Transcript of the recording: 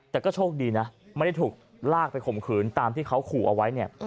แต่ก็โชคดีนะไม่ได้ถูกลากไปข่มขืนตามที่เขาขู่เอาไว้เนี่ย